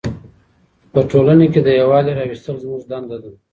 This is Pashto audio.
په ټولنه کې د یووالي راوستل زموږ دنده ده.